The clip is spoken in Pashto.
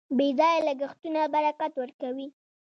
بې ځایه لګښتونه برکت ورکوي.